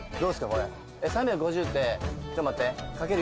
これ３５０ってちょっと待って掛ける